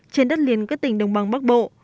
trên đất liền các tỉnh đồng bằng bắc bộ